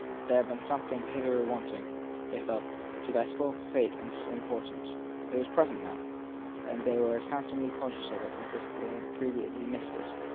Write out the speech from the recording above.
There had been something hitherto wanting, they felt, to their small state and importance; it was present now, and they were as hand somely .conscious of it as if they had previously missed it.